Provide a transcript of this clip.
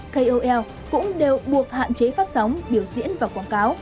kol cũng đều buộc hạn chế phát sóng biểu diễn và quảng cáo